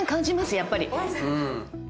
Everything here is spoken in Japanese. やっぱり。